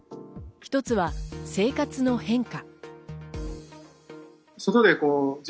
一つは、生活の変化。